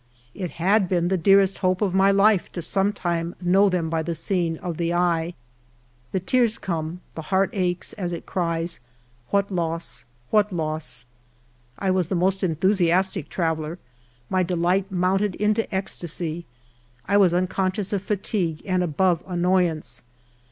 It had been the dearest hope of my life to some time know them by the seeing of the eye ; the tears come, the heart aches, as it cries, " What loss, what loss." I was the most enthusiastic traveller ; my delight mounted into ecstasy. I was unconscious of fatigue and above annoyance.